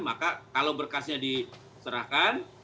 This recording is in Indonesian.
maka kalau berkasnya diserahkan